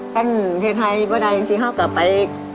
กันเฮดไทยเว้อใดจริงคร่วนกับเขาก็ไป